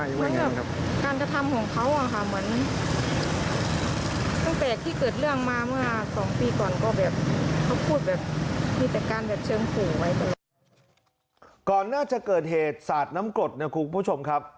อย่างน่าจะเกิดเหตุศาสตร์น้ำกรดห์นะคุณผู้ชมครับ